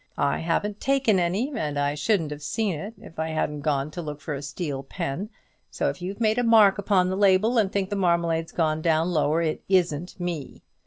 I haven't taken any, and I shouldn't have seen it if I hadn't gone to look for a steel pen; so, if you've made a mark upon the label, and think the marmalade's gone down lower, it isn't me.